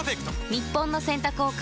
日本の洗濯を変える１本。